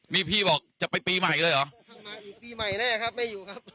มีพี่บอกจะไปปีใหม่เลยเหรออีกปีใหม่แน่ครับไม่อยู่ครับ